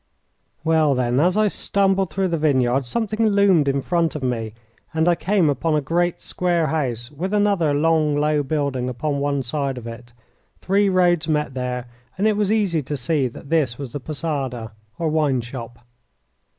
Well, then, as I stumbled through the vineyard, something loomed in front of me, and I came upon a great square house with another long, low building upon one side of it. Three roads met there, and it was easy to see that this was the posada, or wine shop.